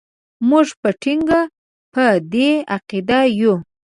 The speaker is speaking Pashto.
موږ په ټینګه په دې عقیده یو.